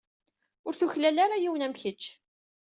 Ur tuklal ara yiwen am kečč.